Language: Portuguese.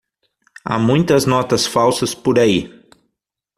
Há muitas notas falsas por aí.